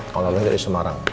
orang lainnya dari semarang